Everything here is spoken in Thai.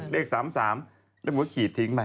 เลข๓๓เรียกว่าขีดทิ้งไป